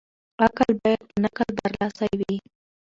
عقل بايد په نقل برلاسی وي.